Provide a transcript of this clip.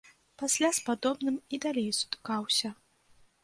Пасля з падобным і далей сутыкаўся.